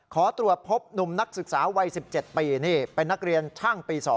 ขอตรวจพบหนุ่มนักศึกษาวัย๑๗ปีนี่เป็นนักเรียนช่างปี๒